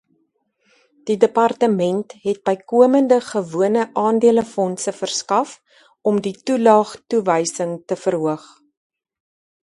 Die departement het bykomende gewone aandelefondse verskaf om die toelaagtoewysing te verhoog.